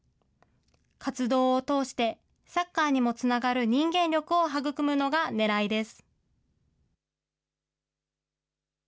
活動を通して、サッカーにもつながる人間力を育むのが狙いです。